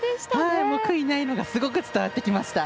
悔いないのがすごい伝わってきました。